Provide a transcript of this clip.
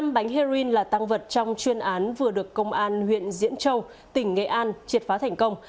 một mươi bánh heroin là tăng vật trong chuyên án vừa được công an huyện diễn châu tỉnh nghệ an triệt phá thành công